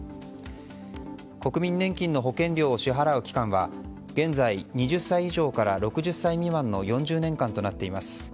国民年金の保険料を支払う期間は現在２０歳以上から６０歳未満の４０年間となっています。